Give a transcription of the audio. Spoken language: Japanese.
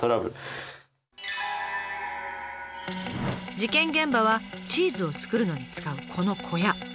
事件現場はチーズを作るのに使うこの小屋。